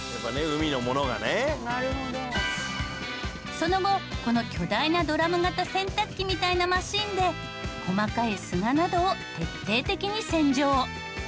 その後この巨大なドラム型洗濯機みたいなマシンで細かい砂などを徹底的に洗浄。